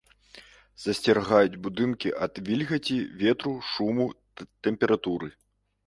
Засцерагаюць будынкі ад вільгаці, ветру, шуму, тэмпературы.